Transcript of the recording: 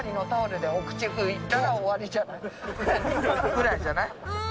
くらいじゃない？